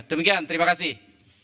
demikian terima kasih